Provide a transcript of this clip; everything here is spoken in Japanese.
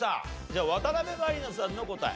じゃあ渡辺満里奈さんの答え。